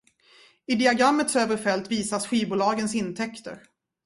I diagrammets övre fält visas skivbolagens intäkter.